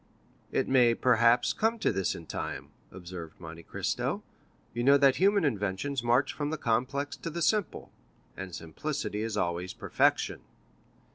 "It may, perhaps, come to this in time," observed Monte Cristo; "you know that human inventions march from the complex to the simple, and simplicity is always perfection."